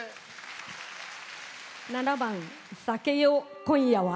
７番「酒よ今夜は」。